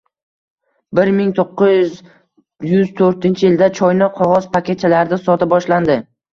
bir ming to'qqiz yuz to'rtinchi yilda choyni qog`oz paketchalarda sota boshlandi.